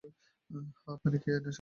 হ্যাঁ, পানি খেয়ে নেশা করছি!